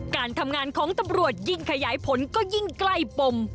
การทำงานของตำรวจยิ่งขยายผลก็ยิ่งใกล้ปม